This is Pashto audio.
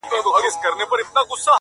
د اهریمن د اولادونو زانګو،